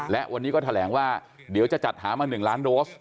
และวันนี้ก็แถลงว่าเดี๋ยวจะจัดหามา๑ล้านโดส